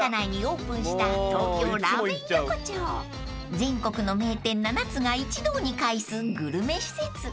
［全国の名店７つが一堂に会すグルメ施設］